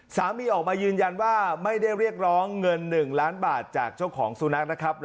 สามีออกมายืนยันว่าไม่ได้เรียกร้องเงิน๑ล้านบาทจากเจ้าของสุนัขนะครับ